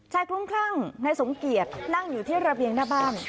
คลุ้มคลั่งนายสมเกียจนั่งอยู่ที่ระเบียงหน้าบ้าน